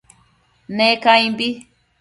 Ne caimbi